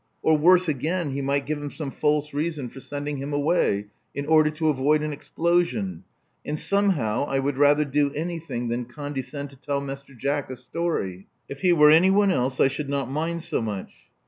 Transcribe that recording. Or, worse again, he might give him some false reason for sending him away, in order to avoid an explosion ; and somehow I would rather do anything than condescend to tell Mr. Jack a story. If he were anyone else I should not mind so much."